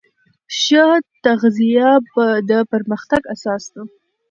ښه تغذیه د پرمختګ اساس ده.